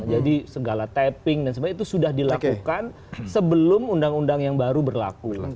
segala tapping dan sebagainya itu sudah dilakukan sebelum undang undang yang baru berlaku